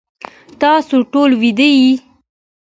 تاسی ټول ویده یی